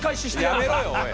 やめろよおい！